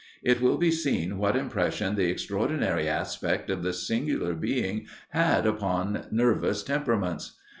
It will be seen what impression the extraordinary aspect of this singular being had upon nervous temperaments.